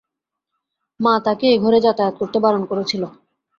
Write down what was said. মা তাকে এ ঘরে যাতায়াত করতে বারণ করেছিল।